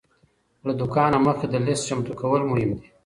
له دوکانه مخکې د لیست چمتو کول مهم دی.